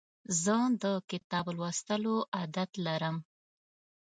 زه د کتاب لوستلو عادت لرم.